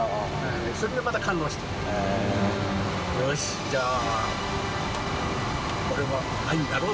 よしじゃあ店主）